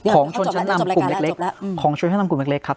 ของชนชำนำกลุ่มเล็กเล็กของชนชำนำกลัวเล็กเล็กครับ